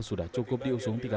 sudah cukup diusung